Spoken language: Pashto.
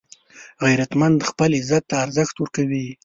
غیرتمند خپل عزت ته ارزښت ورکوي